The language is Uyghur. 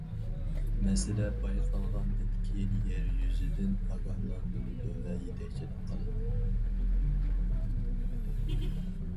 مەسىلە بايقالغاندىن كېيىن يەر يۈزىدىن ئاگاھلاندۇرىدۇ ۋە يېتەكچىلىك قىلىدۇ.